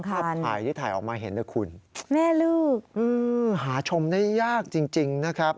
อันนี้สำคัญนะครับแม่ลูกหาชมได้ยากจริงนะครับ